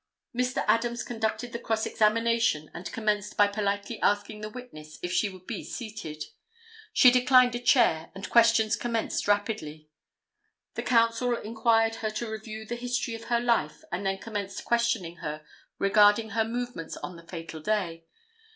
Mr. Adams conducted the cross examination, and commenced by politely asking the witness if she would be seated. She declined a chair, and questions commenced rapidly. The counsel required her to review the history of her life and then commenced questioning her regarding her movements on the fatal day.